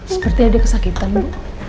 sepertinya ada kesakitan gue